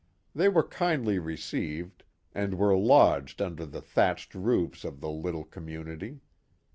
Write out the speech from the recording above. They were kindly received, and were lodged under the thatched roofs of the little community.